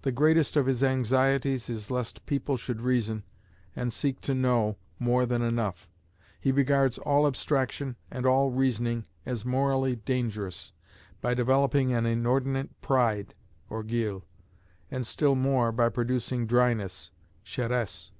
The greatest of his anxieties is lest people should reason, and seek to know, more than enough. He regards all abstraction and all reasoning as morally dangerous, by developing an inordinate pride (orgueil), and still more, by producing dryness (scheresse).